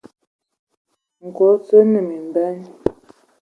Nkɔg kig naa : "Mimbyɛ".